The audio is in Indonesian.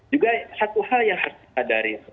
juga satu hal yang harus kita dari